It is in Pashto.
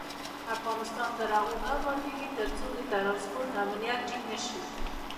افغانستان تر هغو نه ابادیږي، ترڅو د ترانسپورت امنیت ټینګ نشي.